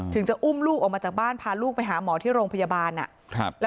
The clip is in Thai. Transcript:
จะอุ้มลูกออกมาจากบ้านพาลูกไปหาหมอที่โรงพยาบาล